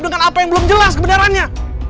dengan apa yang belum jelas kebenarannya